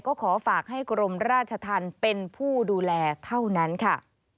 ก็ขอฝากให้กรมราชธรรมเป็นผู้ดูแลเท่านั้นค่ะ